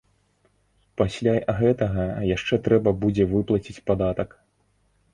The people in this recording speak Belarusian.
Пасля гэтага яшчэ трэба будзе выплаціць падатак.